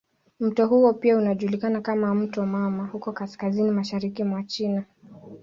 Mto huo pia unajulikana kama "mto mama" huko kaskazini mashariki mwa China.